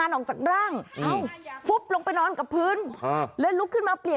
อ๋อนี่ฟุตไปแล้วนี่ไง